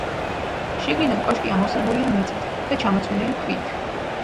შიგნიდან კოშკი ამოვსებულია მიწით და ჩამოცვენილი ქვით.